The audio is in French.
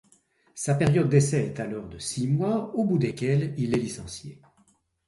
Sa période d'essai est alors de six mois au bout desquels il est licencié.